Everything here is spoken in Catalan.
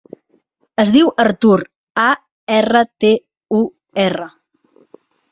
Es diu Artur: a, erra, te, u, erra.